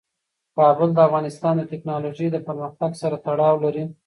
کابل د افغانستان د تکنالوژۍ له پرمختګ سره تړاو لري.